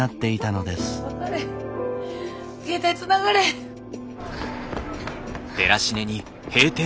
携帯つながれへん。